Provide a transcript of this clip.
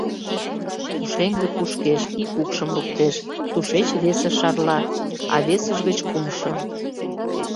Пушеҥге кушкеш, ик укшым луктеш, тушеч весе шарла, а весыж гыч кумшо...